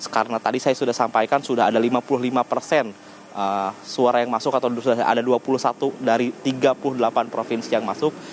karena tadi saya sudah sampaikan sudah ada lima puluh lima persen suara yang masuk atau sudah ada dua puluh satu dari tiga puluh delapan provinsi yang masuk